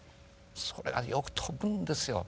それがよく飛ぶんですよ。